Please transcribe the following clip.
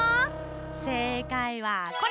せいかいはこれ！